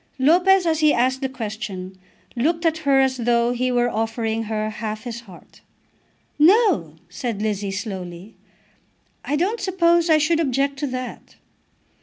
Lopez, as he asked the question, looked at her as though he were offering her half his heart. "No," said Lizzie, slowly, "I don't suppose I should object to that."